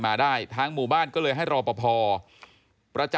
ทางนิติกรหมู่บ้านแจ้งกับสำนักงานเขตประเวท